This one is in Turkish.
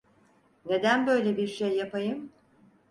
Neden böyle bir şey yapayım?